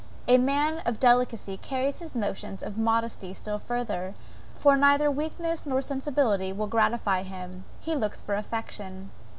A man of delicacy carries his notions of modesty still further, for neither weakness nor sensibility will gratify him he looks for affection.